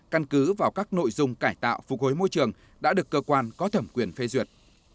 căn cứ vào các nội dung cải tạo phục hối môi trường đã được cơ quan có thẩm quyền phê duyệt